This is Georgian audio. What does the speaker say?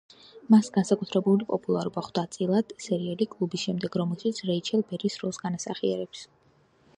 მას განსაკუთრებული პოპულარობა ხვდა წილად სერიალი კლუბის შემდეგ, რომელშიც რეიჩელ ბერის როლს განასახიერებს.